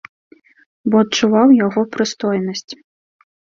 Бо адчуваў яго прыстойнасць.